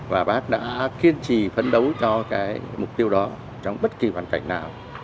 và bác đã kiên trì phấn đấu cho cái mục tiêu đó trong bất kỳ hoàn cảnh nào